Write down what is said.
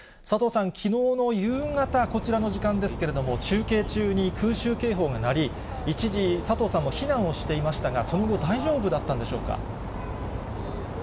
佐藤さん、きのうの夕方、こちらの時間ですけれども、中継中に空襲警報が鳴り、一時、佐藤さんも避難をしていましたが、その後、大丈夫だったんでしょうか。